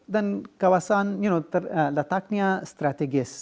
dan kawasan lataknya strategis